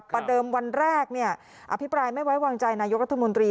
ประเดิมวันแรกอภิปรายไม่ไว้วางใจนายกรัฐมนตรี